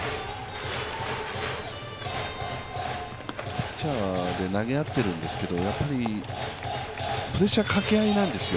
ピッチャーで投げ合ってるんですけど、プレッシャーのかけ合いなんですよ。